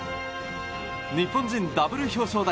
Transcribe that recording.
日本人ダブル表彰台。